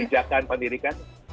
ada kebijakan pendidikan